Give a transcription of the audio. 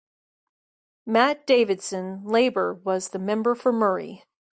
Mat Davidson (Labor) was the member for Murray.